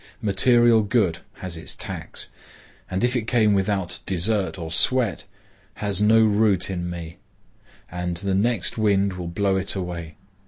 Material good has its tax, and if it came without desert or sweat, has no root in me, and the next wind will blow it away.